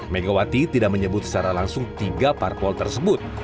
megawati tidak menyebut secara langsung tiga parpol tersebut